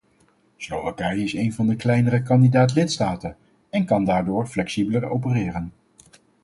Slowakije is een van de kleinere kandidaat-lidstaten en kan daardoor flexibeler opereren.